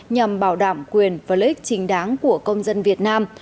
nhằm bảo đảm quyền và lợi ích chính đáng của công dân việt nam